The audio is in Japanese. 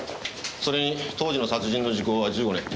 それに当時の殺人の時効は１５年。